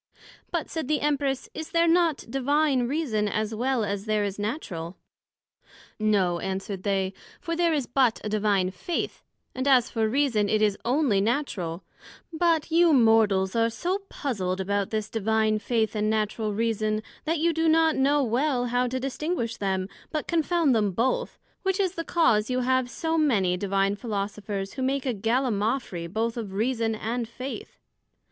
But, said the Empress, Is there not Divine Reason, as well as there is Natural? No, answered they: for there is but a Divine Faith, and as for Reason it is onely Natural; but you Mortals are so puzled about this Divine Faith, and Natural Reason, that you do not know well how to distinguish them, but confound them both, which is the cause you have so many divine Philosophers who make a Gallimafry both of Reason and Faith.